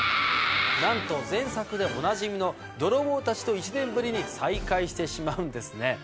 なんと前作でおなじみの泥棒たちと１年ぶりに再会してしまうんですね。